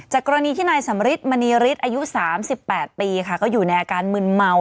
กรณีที่นายสำริทมณีฤทธิ์อายุ๓๘ปีค่ะก็อยู่ในอาการมึนเมา